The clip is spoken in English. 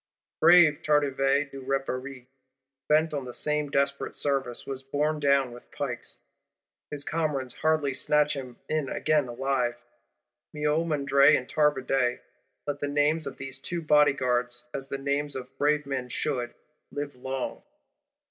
Brave Tardivet du Repaire, bent on the same desperate service, was borne down with pikes; his comrades hardly snatched him in again alive. Miomandre and Tardivet: let the names of these two Bodyguards, as the names of brave men should, live long.